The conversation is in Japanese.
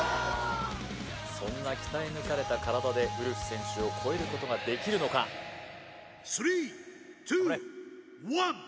そんな鍛え抜かれた体でウルフ選手を超えることができるのか頑張れ！